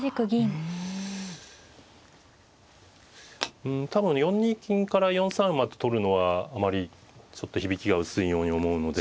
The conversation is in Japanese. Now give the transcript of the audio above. うん多分４二金から４三馬と取るのはあまりちょっと響きが薄いように思うので。